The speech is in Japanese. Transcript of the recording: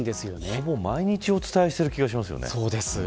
ほぼ毎日伝えている気がしますよね。